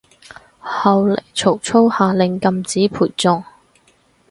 後來曹操下令禁止陪葬